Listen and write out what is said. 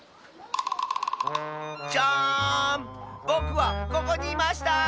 ぼくはここにいました！